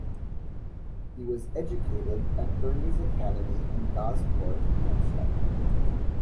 He was educated at Burney's Academy in Gosport, Hampshire.